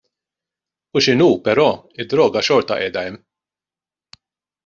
Hu x'inhu però d-droga xorta qiegħda hemm.